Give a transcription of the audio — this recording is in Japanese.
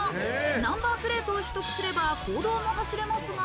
ナンバープレートを取得すれば、公道も走れますが。